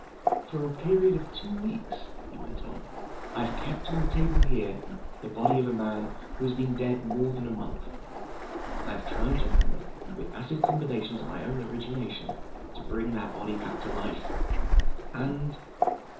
"For a period of two weeks," he went on, "I have kept, on the table here, the body of a man who has been dead more than a month. I have tried, gentlemen, with acid combinations of my own origination, to bring that body back to life. And